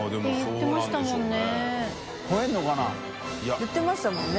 福言ってましたもんね。